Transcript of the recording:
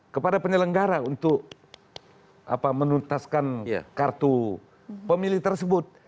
kepada penyelenggara untuk menuntaskan kartu pemilih tersebut